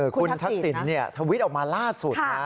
คุณทักศิลป์เนี่ยทวิดออกมาล่าสุดนะ